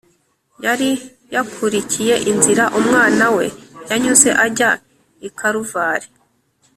yari yakurikiye inzira umwana we yanyuze ajya i kaluvari